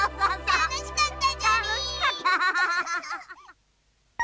たのしかった！